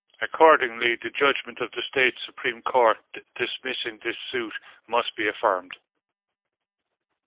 Accordingly, the judgment of the state supreme court dismissing this suit must be affirmed.